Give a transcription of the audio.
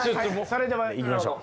それではいきましょう。